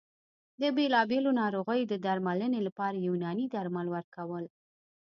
د بېلابېلو ناروغیو د درملنې لپاره یوناني درمل ورکول